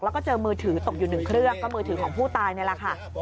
แล้วก็เจอมือถือตกอยู่หนึ่งเครื่องก็มือถือของผู้ตายนี่แหละค่ะ